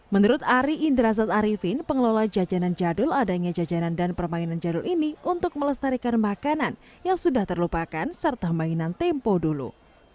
menurut ari indra zat arifin pengelola jajanan jadul adanya jajanan dan permainan jadul ini untuk melestarikan makanan yang sudah terlupakan serta mainan tempo dulu